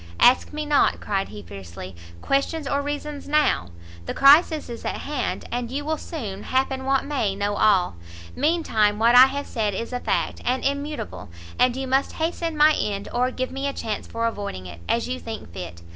"Ask me not," cried he, fiercely, "questions or reasons now; the crisis is at hand, and you will soon, happen what may, know all; mean time what I have said is a fact, and immutable; and you must hasten my end, or give me a chance for avoiding it, as you think fit.